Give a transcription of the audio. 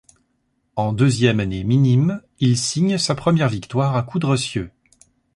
En deuxième année minime, il signe sa première victoire à Coudrecieux.